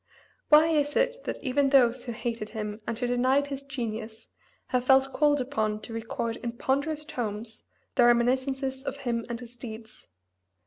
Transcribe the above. Why is it that even those who hated him and who denied his genius have felt called upon to record in ponderous tomes their reminiscences of him and his deeds?